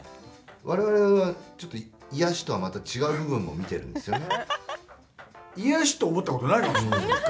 我々はちょっと癒やしとはまた違う部分も見てるんですよね。